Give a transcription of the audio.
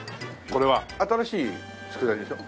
これは新しい佃煮でしょ。